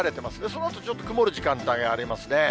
そのあと、ちょっと曇る時間帯がありますね。